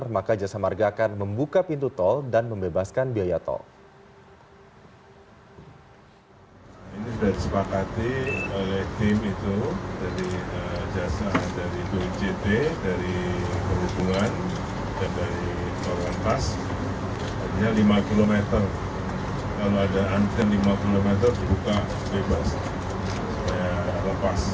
maka jasa marga akan membuka pintu tol dan membebaskan biaya tol